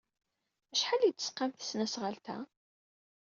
Acḥal ay d-tesqam tesnasɣalt-a?